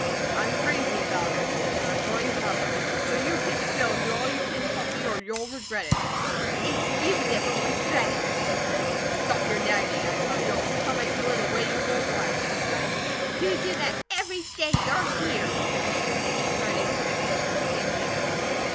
I am crazy about her, an' I'm going to have her; so you keep still, an' do all you can to help me, or you'll regret it." "It's you that will regret it!" she said. "Stop your nagging, I tell you, or I'll come at you in a way you won't like," he cried. "You do that every day you're here," said Mrs. Holt, starting to the kitchen to begin dinner.